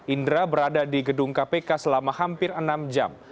indra berada di gedung kpk selama hampir enam jam